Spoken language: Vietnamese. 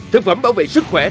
thực phẩm bảo vệ sức khỏe